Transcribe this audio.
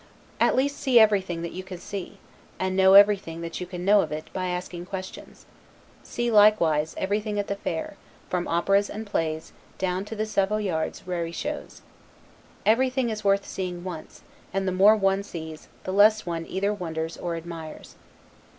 At least see everything that you can see, and know everything that you can know of it, by asking questions. See likewise everything at the fair, from operas and plays, down to the Savoyard's raree shows. Everything is worth seeing once; and the more one sees, the less one either wonders or admires.